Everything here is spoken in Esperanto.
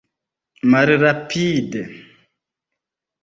malrapide